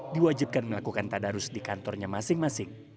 diwajibkan melakukan tadarus di kantornya masing masing